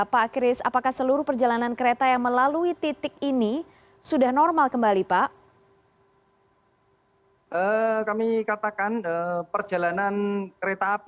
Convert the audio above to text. pak kris apakah seluruh perjalanan kereta yang melalui titik ini sudah normal kembali pak